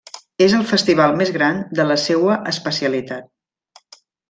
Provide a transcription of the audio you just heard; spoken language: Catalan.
És el festival més gran de la seua especialitat.